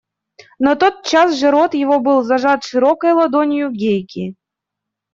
Но тотчас же рот его был зажат широкой ладонью Гейки.